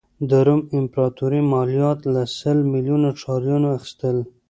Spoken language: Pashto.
د روم امپراتوري مالیات له سل میلیونه ښاریانو اخیستل.